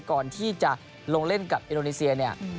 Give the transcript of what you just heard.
ก่อนที่จะลงเล่นกับเอโรนิเซีย